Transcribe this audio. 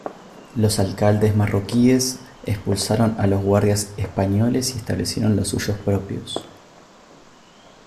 Los alcaldes marroquíes expulsaron a los guardas españoles y establecieron los suyos propios.